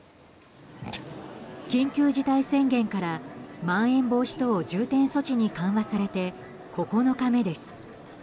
緊急事態宣言からまん延防止等重点措置に緩和されて、９日目です。